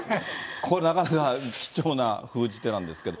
これ、なかなか貴重な封じ手なんですけど。